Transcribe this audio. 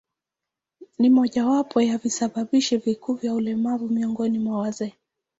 Ni mojawapo ya visababishi vikuu vya ulemavu miongoni mwa wazee.